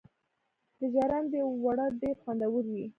د ژرندې اوړه ډیر خوندور وي.